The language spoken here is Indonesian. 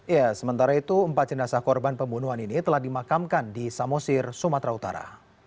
ya sementara itu empat jenazah korban pembunuhan ini telah dimakamkan di samosir sumatera utara